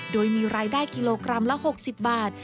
โดยมีรายได้กิโลกรัมละ๖๐บาท